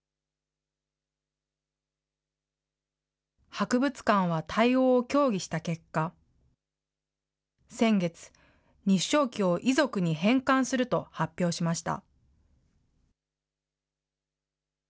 博物館は対応を協議した結果、先月、日章旗を遺族に返還すると発表しました。